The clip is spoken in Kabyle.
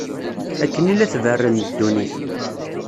Akken i la tberren ddunit.